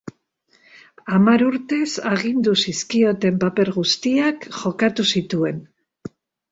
Hamar urtez, agindu zizkioten paper guztiak jokatu zituen.